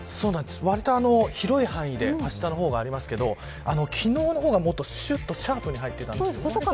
わりと広い範囲であしたの方がありますけど昨日の方が、しゅっとシャープに入っていたんです。